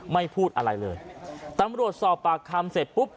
พูดอะไรเลยตำรวจสอบปากคำเสร็จปุ๊บ